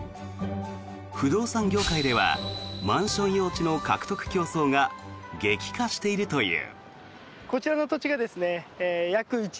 不動産業界ではマンション用地の獲得競争が激化しているという。